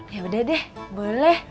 yaudah deh boleh